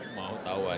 mau tahu saja